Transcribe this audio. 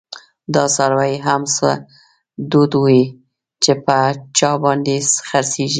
دڅارویو هم څه دود وی، چی په چا باندی خرڅیږی